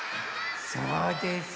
そうです。